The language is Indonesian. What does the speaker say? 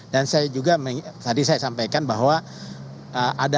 dan saya juga tadi saya sampaikan bahwa ada harapan karena mereka akan menjawab kekhawatiran